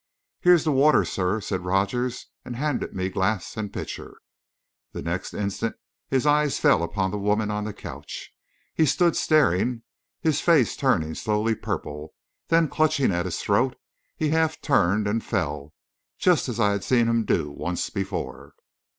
"Here's the water, sir," said Rogers, and handed me glass and pitcher. The next instant, his eyes fell upon the woman on the couch. He stood staring, his face turning slowly purple; then, clutching at his throat, he half turned and fell, just as I had seen him do once before.